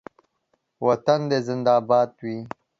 وطن دې زنده باد وي